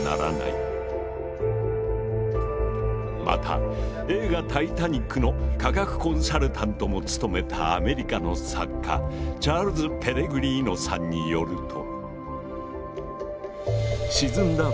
また映画「タイタニック」の科学コンサルタントも務めたアメリカの作家チャールズ・ペレグリーノさんによると。